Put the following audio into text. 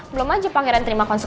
belum aja pangeran terima kasih